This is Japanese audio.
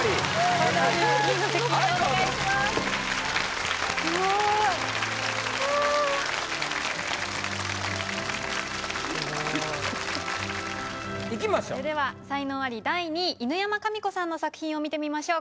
それでは才能アリ第２位犬山紙子さんの作品を見てみましょう。